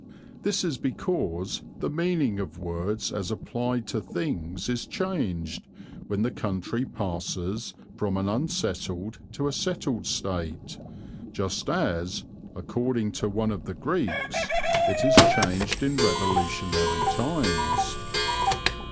This is because the meaning of words as applied to things is changed when the country passes from an unsettled to a settled state, just as, according to one of the Greeks, it is changed in revolutionary times.